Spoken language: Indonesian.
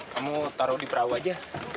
kamu taruh di perahu aja